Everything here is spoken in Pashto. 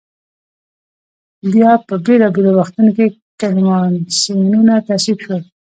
بیا په بېلا بېلو وختونو کې کنوانسیونونه تصویب شول.